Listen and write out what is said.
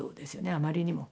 あまりにも。